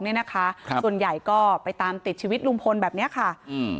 เนี้ยนะคะครับส่วนใหญ่ก็ไปตามติดชีวิตลุงพลแบบเนี้ยค่ะอืม